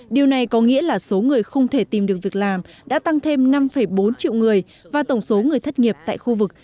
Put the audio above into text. điều này có nghĩa là số người không thể tìm được việc làm đã tăng thêm năm bốn triệu người và tổng số người thất nghiệp tại khu vực